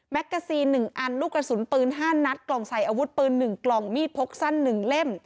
แกซีน๑อันลูกกระสุนปืน๕นัดกล่องใส่อาวุธปืน๑กล่องมีดพกสั้น๑เล่ม